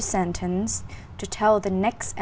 của chúng tôi